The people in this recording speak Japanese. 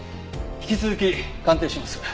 引き続き鑑定します。